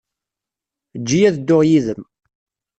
Eǧǧ-iyi ad dduɣ yid-m.